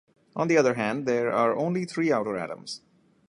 On the other hand, there are only three outer atoms.